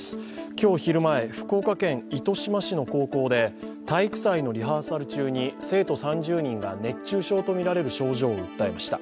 今日昼前、福岡県糸島市の高校で、体育祭のリハーサル中に生徒３０人が熱中症とみられる症状を訴えました。